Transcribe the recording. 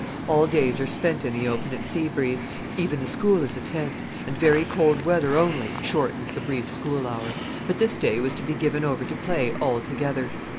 All days are spent in the open at Sea Breeze, even the school is a tent, and very cold weather only shortens the brief school hour; but this day was to be given over to play altogether.